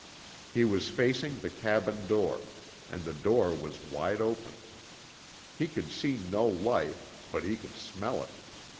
He was facing the cabin door and the door was wide open. He could see no life, but he could SMELL it.